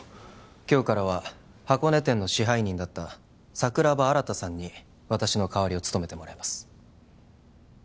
今日からは箱根店の支配人だった桜庭新さんに私の代わりを務めてもらいます